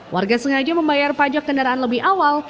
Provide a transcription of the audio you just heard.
warga sengaja membayar pajak kendaraan lebih awal